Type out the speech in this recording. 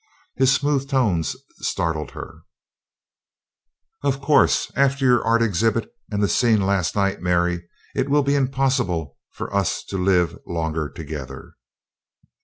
His smooth tones startled her: "Of course, after your art exhibit and the scene of last night, Mary, it will be impossible for us to live longer together."